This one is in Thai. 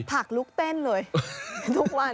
ผักลุกเต้นเลยทุกวัน